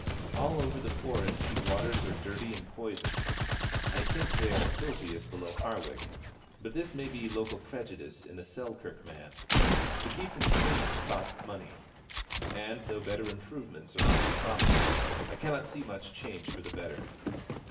All over the Forest he waters are dirty and poisoned: I think they are filthiest below Hawick; but this may be mere local prejudice in a Selkirk man. To keep them clean costs money; and, though improvements are often promised, I cannot see much change for the better.